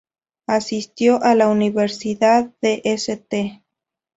Asistió a la Universidad de St.